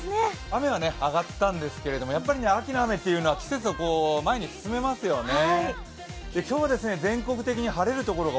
雨はあがったんですけどやっぱり秋の雨というのは季節を前に進めますよね。